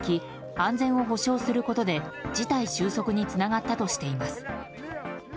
安全を保証することで事態収束につながったとしています。